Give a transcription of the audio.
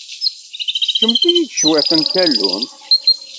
Fkemt-iyi cwiṭ n tallunt.